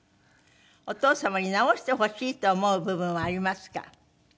「お父様に直してほしいと思う部分はありますか？」